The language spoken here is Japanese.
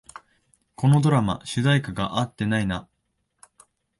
このドラマ、主題歌が合ってないな